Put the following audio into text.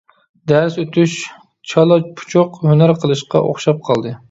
دەرس ئۆتۈش چالا-پۇچۇق «ھۈنەر قىلىشقا» ئوخشاپ قالدى.